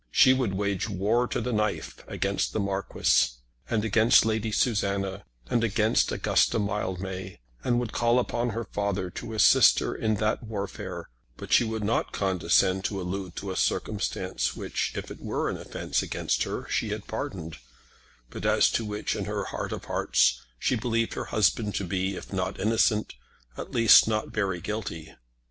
She would wage war to the knife against the Marquis, and against Lady Susanna, and against Augusta Mildmay, and would call upon her father to assist her in that warfare; but she would not condescend to allude to a circumstance which, if it were an offence against her, she had pardoned, but as to which, in her heart of hearts, she believed her husband to be, if not innocent, at least not very guilty.